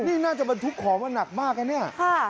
นี่น่าจะมันทุกขอมันหนักมากค่ะ